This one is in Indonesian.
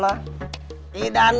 masih ada lagi